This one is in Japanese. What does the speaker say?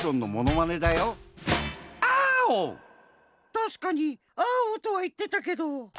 たしかに「アーオ」とは言ってたけど。